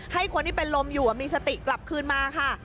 ให้คนที่เป็นลมอยู่มีสติกลับคืนมาค่ะ